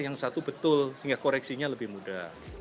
yang satu betul sehingga koreksinya lebih mudah